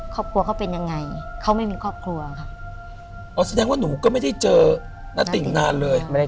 ครอบครัวเขาเป็นยังไง